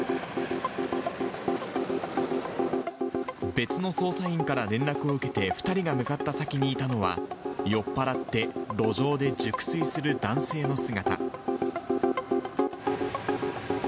別の捜査員から連絡を受けて、２人が向かった先にいたのは、酔っ払って路上で熟睡する男性の姿。